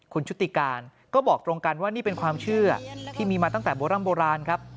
คุณชุติการก็บอกตรงกันว่านี่เป็นความเชื่อที่มีมาตั้งแต่โบร่ำโบราณครับ